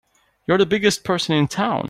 You're the biggest person in town!